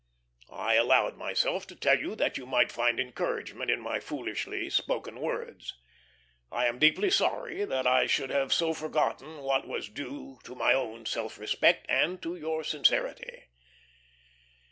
"I allowed myself to tell you that you might find encouragement in my foolishly spoken words. I am deeply sorry that I should have so forgotten what was due to my own self respect and to your sincerity.